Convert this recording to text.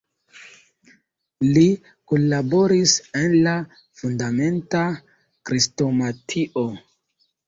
Li kunlaboris al la "Fundamenta Krestomatio.